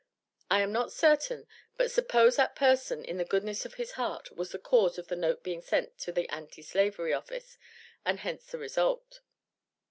I am not certain, but suppose that person, in the goodness of his heart, was the cause of the note being sent to the Anti Slavery office, and hence the result.